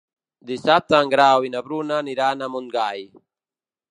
Dissabte en Grau i na Bruna aniran a Montgai.